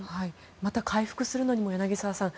また回復するのにも柳澤さん